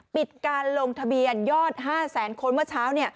ปิดการลงทะเบียนยอด๕แสนคนเมื่อเช้า